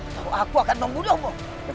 atau aku akan membunuhmu